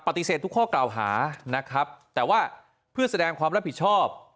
ทุกข้อกล่าวหานะครับแต่ว่าเพื่อแสดงความรับผิดชอบ